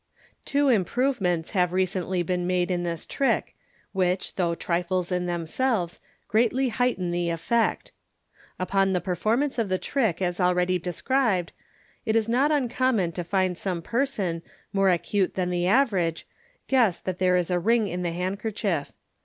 Two improvements have recently been made in this trick, which, though trifles in themselves, greatly heighten the effect Upon a performance of the trick as already described, it is not uncommon to 37© MODERN MAGIC. %id some person, more acute than the average, guess that there is a ring in the handkerchief.